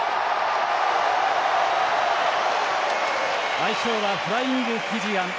愛称はフライング・フィジアンズ